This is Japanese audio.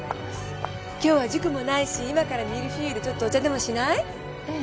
今日は塾もないし今からミルフィーユでちょっとお茶でもしない？ええ。